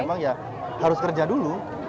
memang ya harus kerja dulu